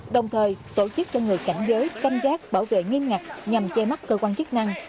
đồng thời tổ chức cho người cảnh giới canh gác bảo vệ nghiêm ngặt nhằm che mắt cơ quan chức năng